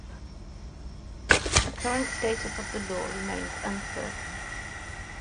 The current status of the law remains uncertain.